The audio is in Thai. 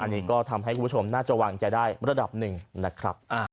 น่าจะวางใจได้ระดับหนึ่งนะครับ